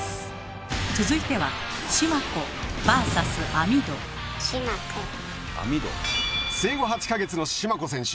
続いては生後８か月の縞子選手。